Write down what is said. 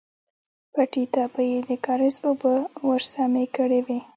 پټي ته به يې د کاريز اوبه ورسمې کړې وې.